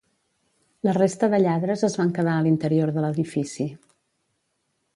La resta de lladres es van quedar a l’interior de l’edifici.